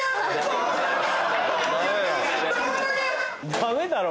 ダメだろ